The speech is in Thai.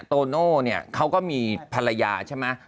โตโน่เนี่ยเขาก็มีภรรยาใช่ไหม